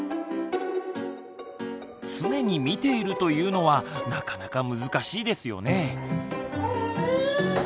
「常に見ている」というのはなかなか難しいですよね。